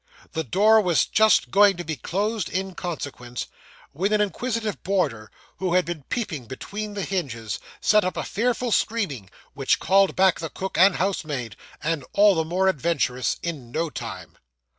The door was just going to be closed in consequence, when an inquisitive boarder, who had been peeping between the hinges, set up a fearful screaming, which called back the cook and housemaid, and all the more adventurous, in no time.